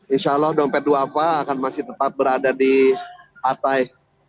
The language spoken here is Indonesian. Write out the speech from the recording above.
insya allah dompet duafa akan masih tetap berada di atai